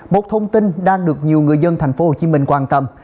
một thông tin đang được nhiều người dân tp hồ chí minh quan tâm